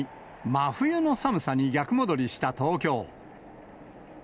真冬の寒さに逆戻りした東京。